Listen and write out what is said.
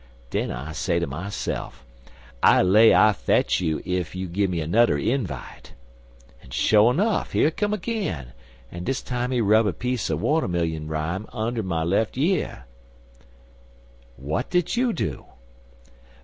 Den I say to myse'f, 'I lay I fetch you ef you gimme anudder invite.' An', sho' 'nuff, yer he come agin, an' dis time he rub a piece er watermillion rime under my lef' year." "What did you do?"